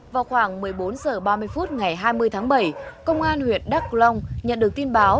vào khoảng một mươi bốn h ba mươi phút ngày hai mươi tháng bảy công an huyện đắk long nhận được tin báo